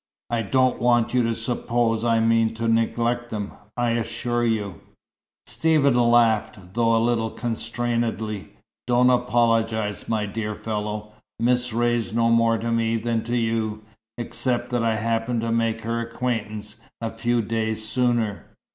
"I don't want you to suppose I mean to neglect them. I assure you " Stephen laughed, though a little constrainedly. "Don't apologise, my dear fellow. Miss Ray's no more to me than to you, except that I happened to make her acquaintance a few days sooner."